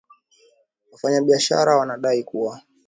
Wafanyabiashara wanadai kuwa